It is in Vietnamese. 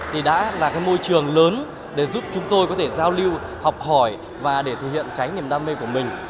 thì đã là cái môi trường lớn để giúp chúng tôi có thể giao lưu học hỏi và để thể hiện tránh niềm đam mê của mình